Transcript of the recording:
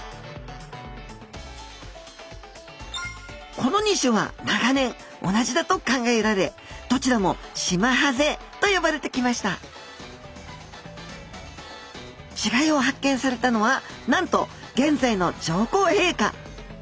この２種は長年同じだと考えられどちらも「シマハゼ」と呼ばれてきました違いを発見されたのはなんと現在の上皇陛下。